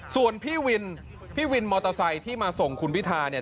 ส่วนพี่วินพี่วินมอเตอร์ไซค์ที่มาส่งคุณพิธาเนี่ย